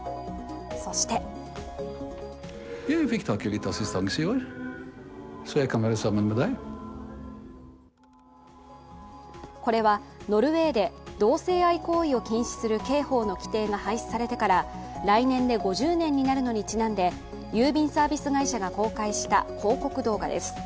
そしてこれはノルウェーで同性愛行為を禁止する刑法の規定が廃止されてから来年で５０年になるのにちなんで郵便サービス会社が公開した広告動画です。